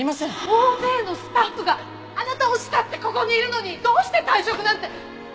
大勢のスタッフがあなたを慕ってここにいるのにどうして退職なんて。